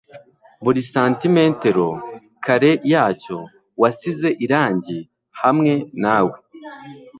buri santimetero kare yacyo wasize irangi hamwe nawe.